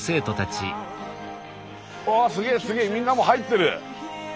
うわっすげえすげえみんなも入ってる。